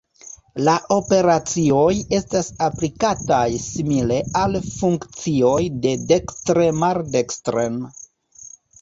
La operacioj estas aplikataj simile al funkcioj de dekstre maldekstren.